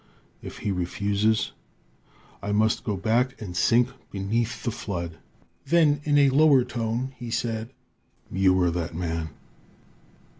If he refuses, I must go back and sink beneath the flood.' "Then, in a lower tone, 'You are that man.'